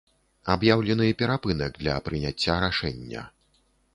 Аб'яўлены перапынак для прыняцця рашэння.